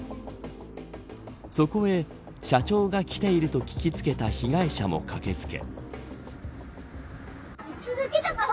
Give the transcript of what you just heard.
そこへ社長が来ていると聞きつけた被害者も駆け付け。